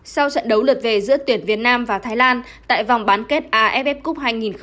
sau trận đấu lượt về giữa tuyển việt nam và thái lan tại vòng bán kết aff cup hai nghìn một mươi tám